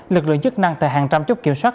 lực lượng chức năng tại hàng trăm chốt kiểm soát